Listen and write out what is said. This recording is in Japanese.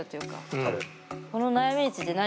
分かる。